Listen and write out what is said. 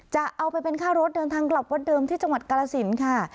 จะเอาไปเป็นค่ารถเดินทางกลับวัดเดิมที่จังหวัดกาลสินค่ะ